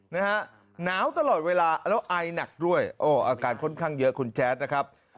นะฮะหนาวตลอดเวลาแล้วไอหนักด้วยโอ้อาการค่อนข้างเยอะคุณแจ๊ดนะครับ